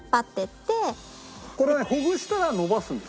これほぐしたら伸ばすの？